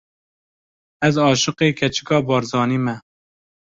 Ez aşiqê keçika Barzanî me!